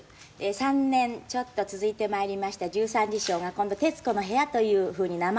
３年ちょっと続いて参りました『１３時ショー』が今度『徹子の部屋』というふうに名前を変えて。